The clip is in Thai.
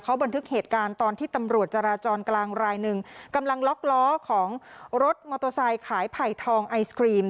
เขาบันทึกเหตุการณ์ตอนที่ตำรวจจราจรกลางรายหนึ่งกำลังล็อกล้อของรถมอเตอร์ไซค์ขายไผ่ทองไอศครีม